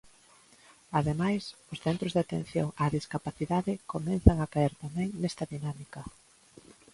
Ademais, os centros de atención á discapacidade comezan a caer tamén nesta dinámica.